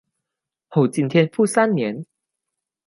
后晋天福三年。